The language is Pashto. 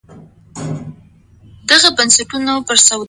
شیرین ځان له دې نړۍ څخه درومي.